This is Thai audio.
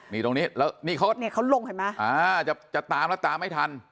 ตรงนี้นี่เขาลงเห็นไหมอ่าจะตามแล้วตามไม่ทัน